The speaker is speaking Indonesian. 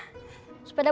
juga reveal dah